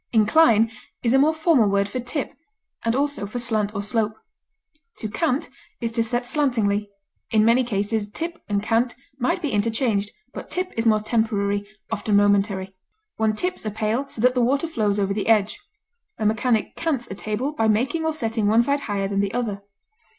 Incline is a more formal word for tip, and also for slant or slope. To cant is to set slantingly; in many cases tip and cant might be interchanged, but tip is more temporary, often momentary; one tips a pail so that the water flows over the edge; a mechanic cants a table by making or setting one side higher than the other.